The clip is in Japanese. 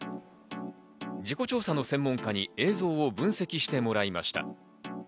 事故調査の専門家に映像を分析してもらいました。